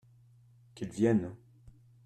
Qu'ils viennent !